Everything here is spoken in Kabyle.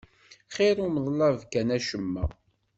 Xir umeḍlab kan acemma.